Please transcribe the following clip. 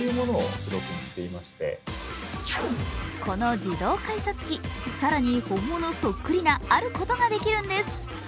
この自動改札機、更に本物そっくりなあることができるんです。